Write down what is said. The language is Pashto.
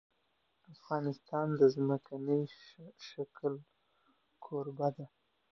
افغانستان د ځمکنی شکل کوربه دی.